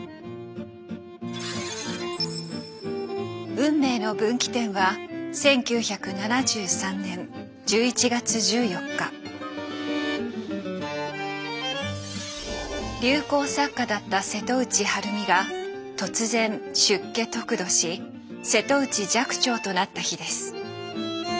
運命の分岐点は流行作家だった瀬戸内晴美が突然出家得度し瀬戸内寂聴となった日です。